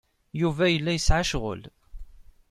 Yuba yella yesɛa ccɣel.